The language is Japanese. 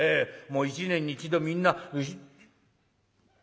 もう一年に一度みんな丑」。